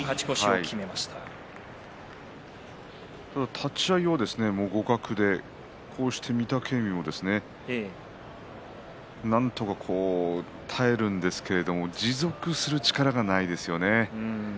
立ち合いは互角で御嶽海はなんとか耐えるんですけれども持続する力がないですよね。